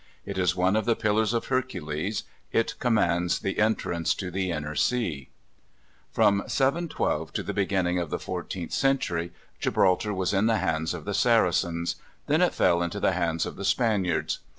It is one of the pillars of Hercules: it commands the entrance to the inner sea. From 712 to the beginning of the fourteenth century Gibraltar was in the hands of the Saracens; then it fell into the hands of the Spaniards.